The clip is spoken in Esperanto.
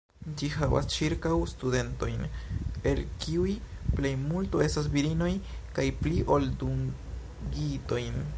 Ĝi havas ĉirkaŭ studentojn, el kiuj plejmulto estas virinoj, kaj pli ol dungitojn.